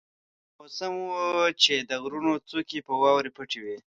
دا داسې موسم وو چې د غرونو څوکې په واورو پټې وې.